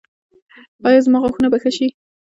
ایا زما غاښونه به ښه شي؟